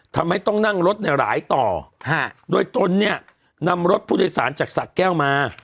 ทำให้ต้องนั่งรถหลายต่อโดยต้นนำรถผู้โดยสารจากศักดิ์แก้วมา